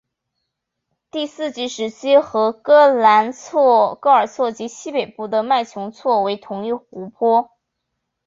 第四纪时期与嘎仁错及西北部的麦穷错为同一湖泊。